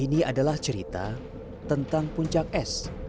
ini adalah cerita tentang puncak es